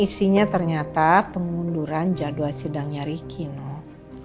ini isinya ternyata pengunduran jadwal sidangnya riki noh